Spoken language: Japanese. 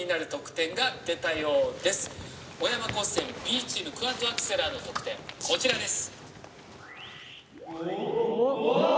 小山高専Ｂチーム「クアッドアクセラー」の得点こちらです。